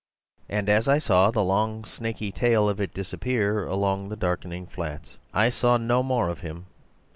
And as I saw the long snaky tail of it disappear along the darkening flats. "I saw no more of him.